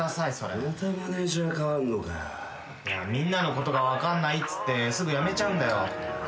いやみんなのことが分かんないっつってすぐ辞めちゃうんだよ。